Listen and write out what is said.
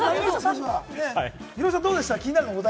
ヒロミさんどうでしたか？